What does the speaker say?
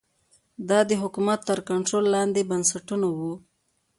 دا د حکومت تر کنټرول لاندې بنسټونه وو